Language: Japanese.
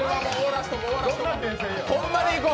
ホンマにいこう。